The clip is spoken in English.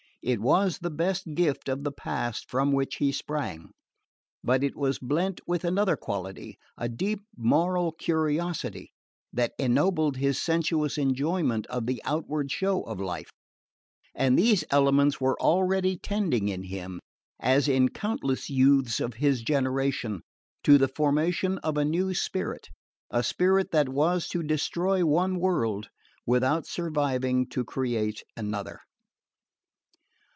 It was the best gift of the past from which he sprang; but it was blent with another quality, a deep moral curiosity that ennobled his sensuous enjoyment of the outward show of life; and these elements were already tending in him, as in countless youths of his generation, to the formation of a new spirit, the spirit that was to destroy one world without surviving to create another.